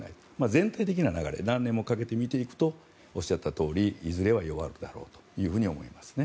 全体的な流れで何年もかけて見ていくとおっしゃったとおりいずれは弱るだろうと思います。